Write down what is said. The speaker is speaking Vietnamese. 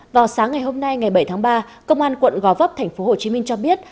vào sáng ngày hôm nay ngày bảy tháng ba công an quận gò vấp thành phố hồ chí minh cho biết